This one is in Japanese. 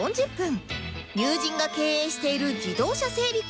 友人が経営している自動車整備